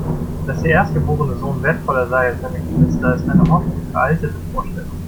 Dass der erstgeborene Sohn wertvoller sei als seine Geschwister, ist eine hoffentlich veraltete Vorstellung.